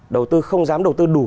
đầu tư không dám đầu tư đủ